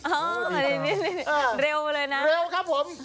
อ๋ออเร็วมาเลยนะเร็วครับผม